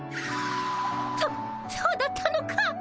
そそうだったのか。